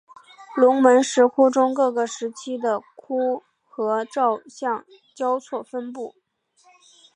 龙门石窟中各个时期的窟龛造像交错分布。